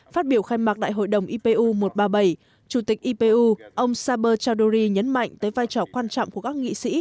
phát biểu khai mạc đại hội đồng ipu một trăm ba mươi bảy chủ tịch ipu ông saber chaduri nhấn mạnh tới vai trò quan trọng của các nghị sĩ